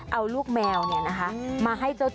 เอาลูกแมวมันเธอมามาให้ตีมา